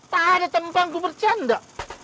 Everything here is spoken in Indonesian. tak ada tampangku bercanda